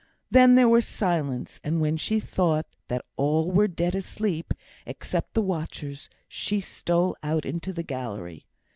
Then there was silence; and when she thought that all were dead asleep, except the watchers, she stole out into the gallery.